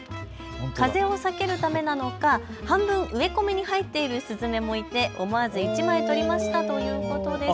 風を避けるためなのか半分植え込みに入っているスズメもいて思わず１枚撮りましたということです。